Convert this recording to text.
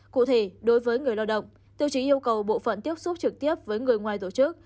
cụ thể đối với người lao động tiêu chí yêu cầu bộ phận tiếp xúc trực tiếp với người ngoài tổ chức